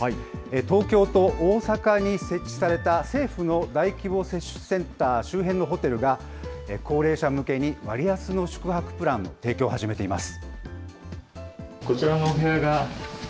東京と大阪に設置された政府の大規模接種センター周辺のホテルが、高齢者向けに割安の宿泊プランの提供を始めています。